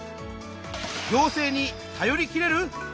「行政に頼りきれる？」